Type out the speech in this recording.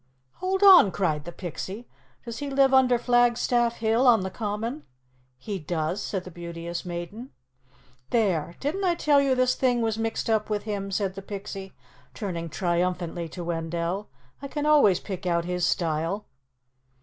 "Hold on!" cried the Pixie. "Does he live under Flag Staff Hill on the Common?" "He does," said the Beauteous Maiden. "There, didn't I tell you this thing was mixed up with him?" said the Pixie, turning triumphantly to Wendell. "I can always pick out his style."